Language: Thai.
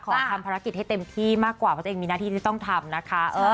ทำภารกิจให้เต็มที่มากกว่าเพราะตัวเองมีหน้าที่ที่ต้องทำนะคะ